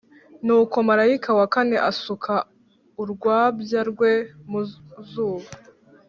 Nuko marayika wa kane asuka urwabya rwe mu zuba,